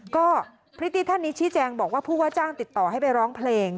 ก็พริตตี้ท่านนี้ชี้แจงบอกว่าผู้ว่าจ้างติดต่อให้ไปร้องเพลง